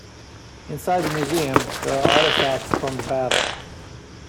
Inside the museum there are artifacts from the battle.